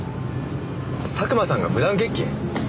佐久間さんが無断欠勤？